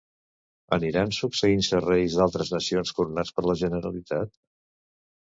Aniran succeint-se reis d'altres nacions coronats per la Generalitat?